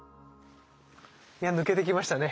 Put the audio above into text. いや抜けてきましたね。